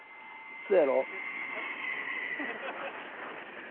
せやろ？